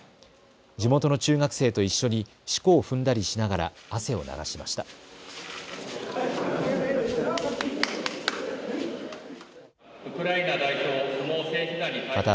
地元の中学生と一緒にしこを踏んだりしながら汗を流しました。